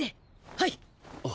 はい。